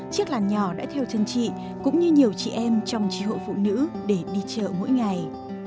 chiếc làn nhỏ đã theo thân chị cũng như nhiều chị em trong tri hội phụ nữ để đi chợ mỗi ngày